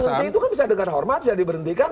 berhenti itu kan bisa dengan hormat ya diberhentikan